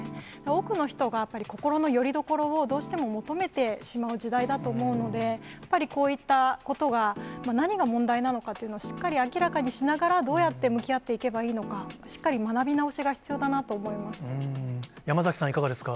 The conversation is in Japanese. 多くの人がやっぱり、心のよりどころをどうしても求めてしまう時代だと思うので、やっぱりこういったことが何が問題なのかというのをしっかり明らかにしながら、どうやって向き合っていけばいいのか、しっかり学び直しが必要だなと思います。